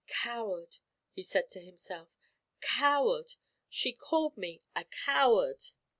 "Coward," he said to himself, "coward! She called me a coward!"